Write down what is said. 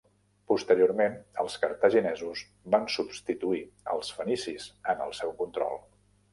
Posteriorment, els cartaginesos van substituir als fenicis en el seu control.